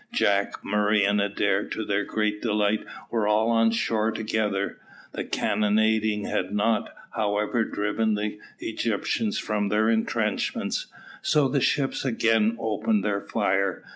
Jack, Murray, and Adair, to their great delight, were all on shore together. The cannonading had not, however, driven the Egyptians from their entrenchments, so the ships again opened their fire.